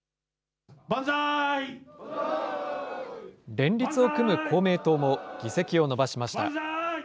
連立を組む公明党も議席を伸ばしました。